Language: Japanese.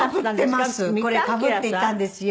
かぶっていったんですよ。